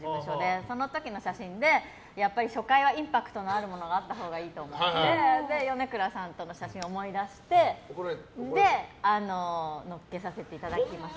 その時の写真でやっぱり初回はインパクトのあるものがいいと思って米倉さんとの写真を思い出して載せさせていただきました。